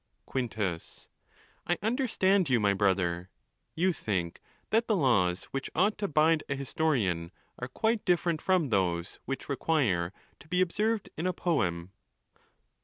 Quintus.—I understand you, my brother ; you think that the laws which ought to bind a historian are quite different from those which require to be observed in a poem.